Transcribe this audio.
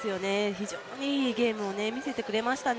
非常に良いゲームを見せてくれましたね。